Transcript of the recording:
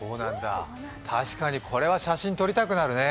確かにこれは写真撮りたくなるね。